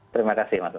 terima kasih mas